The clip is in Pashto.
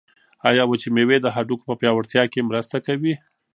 آیا وچې مېوې د هډوکو په پیاوړتیا کې مرسته کوي؟